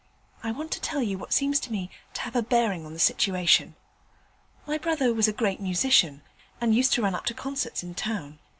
I want to tell you what seems to me to have a bearing on the situation. My brother was a great musician, and used to run up to concerts in town.